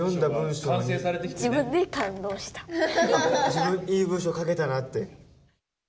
自分いい文章書けたなって？